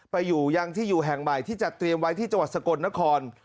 ไปอยู่ยังที่อยู่แห่งใหม่ที่จัดเตรียมไว้ที่จังหวัดสกลนคร